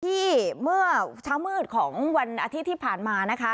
เมื่อเช้ามืดของวันอาทิตย์ที่ผ่านมานะคะ